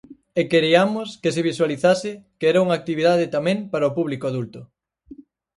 E queriamos que se visualizase que era unha actividade tamén para o público adulto.